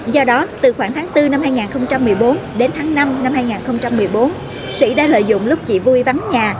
do đó từ khoảng tháng bốn năm hai nghìn một mươi bốn đến tháng năm năm hai nghìn một mươi bốn sĩ đã lợi dụng lúc chị vui vắng nhà